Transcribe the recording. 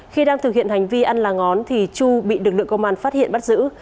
khi đang thực hiện hành vi ăn lá ngón chu bị lực lượng công an phát hiện bắt giữ